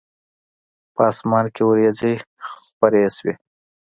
په اسمان کې وریځي خوری شوی